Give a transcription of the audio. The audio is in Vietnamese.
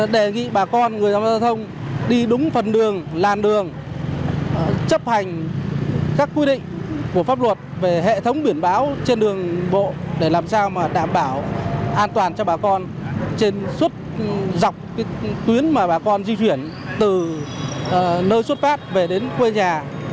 đề nghị bà con người tham gia giao thông đi đúng phần đường làn đường chấp hành các quy định của pháp luật về hệ thống biển báo trên đường bộ để làm sao mà đảm bảo an toàn cho bà con trên suốt dọc tuyến mà bà con di chuyển từ nơi xuất phát về đến quê nhà